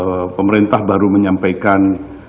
karena kemarin pemerintah baru menyampaikan